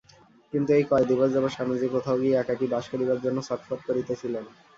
কিন্তু এই কয় দিবস যাবৎ স্বামীজী কোথাও গিয়া একাকী বাস করিবার জন্য ছটফট করিতেছিলেন।